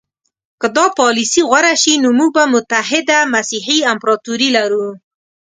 که دا پالیسي غوره شي نو موږ به متحده مسیحي امپراطوري لرو.